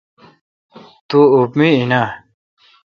تو اُب مے° این اں؟